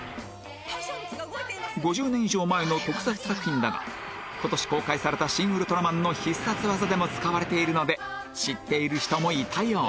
５０年以上前の特撮作品だが今年公開された『シン・ウルトラマン』の必殺技でも使われているので知っている人もいたようです